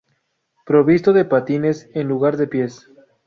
Provisto de patines en lugar de pies.